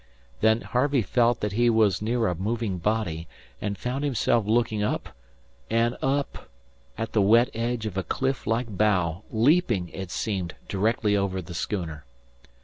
Then Harvey felt that he was near a moving body, and found himself looking up and up at the wet edge of a cliff like bow, leaping, it seemed, directly over the schooner.